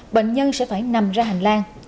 bệnh nhân sẽ phải nằm ra hành lang